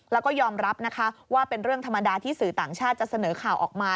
แล้วก็ยอมรับนะคะว่าเป็นเรื่องธรรมดาที่สื่อต่างชาติจะเสนอข่าวออกมา